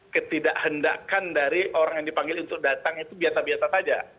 ketidakhendakan dari orang yang dipanggil untuk datang itu biasa biasa saja